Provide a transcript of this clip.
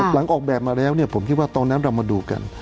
หลังออกแบบมาแล้วผมคิดว่าตอนนั้นเรามาดูกัน